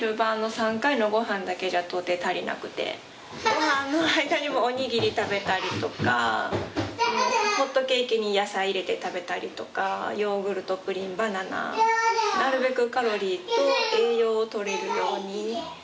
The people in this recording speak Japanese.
ごはんの間にもおにぎり食べたりとか、ホットケーキに野菜入れて食べたり、ヨーグルト、プリン、バナナ、なるべくカロリーと栄養を取れるように。